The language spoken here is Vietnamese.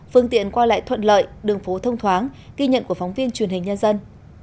phương tiện qua lại thuận lợi đường phố thông thoáng ghi nhận của phóng viên truyền hình nhân dân